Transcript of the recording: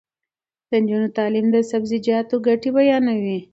د نجونو تعلیم د سبزیجاتو ګټې بیانوي.